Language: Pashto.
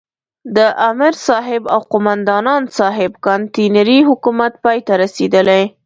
د امرصاحب او قوماندان صاحب کانتينري حکومت پای ته رسېدلی.